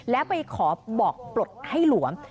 แล้วไปขอบอกปลดให้หลวม